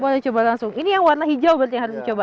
boleh coba langsung ini yang warna hijau berarti harus dicoba